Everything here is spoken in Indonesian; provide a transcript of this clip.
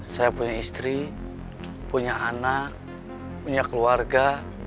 saya punya istri punya anak punya keluarga